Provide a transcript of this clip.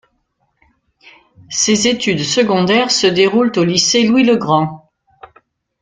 Ses études secondaires se déroulent au lycée Louis-le-Grand.